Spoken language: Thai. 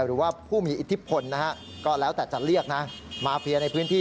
หรือว่าผู้มีอิทธิพลนะฮะก็แล้วแต่จะเรียกนะมาเฟียในพื้นที่